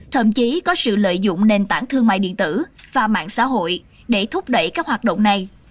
thậm chí có sự lợi dụng nền tảng thương mại điện tử và mạng xã hội để thúc đẩy các hoạt động này